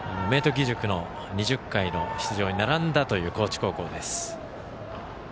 義塾の２０回の出場に並んだという高知高校です。